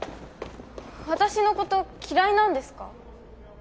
私のこと嫌いなんですか？